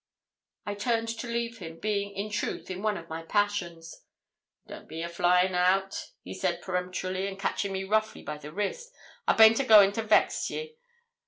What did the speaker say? I turned to leave him, being, in truth, in one of my passions. 'Don't ye be a flying out,' he said peremptorily, and catching me roughly by the wrist, 'I baint a going to vex ye.